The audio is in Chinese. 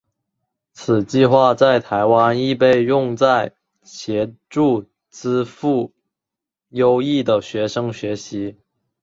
此计画在台湾亦被用在协助资赋优异的学生学习。